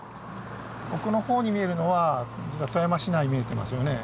奥の方に見えるのは富山市内見えてますよね。